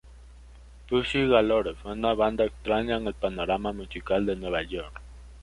Pussy Galore fue una banda extraña en el panorama musical de Nueva York.